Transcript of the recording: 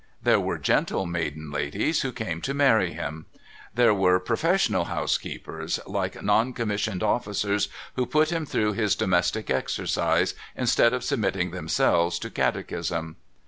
There were gentle m.aiden ladies who came to marry him. There were profes sional housekeepers, like non commissioned officers, who put him through his domestic exercise, instead of submitting themselves to catechism.